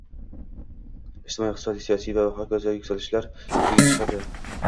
ijtimoiy, iqtisodiy, siyosiy va h.k. yuksalishlar yuzaga chiqadi.